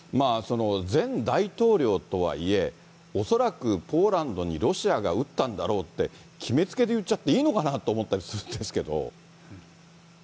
前大統領とはいえ、恐らくポーランドにロシアが撃ったんだろうって、決めつけで言っちゃっていいのかなって思ったりするんですけど。